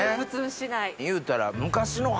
言うたら。